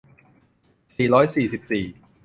สี่ร้อยสี่สิบสี่